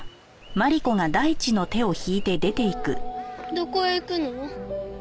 どこへ行くの？